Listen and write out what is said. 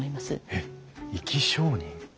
えっ生き証人？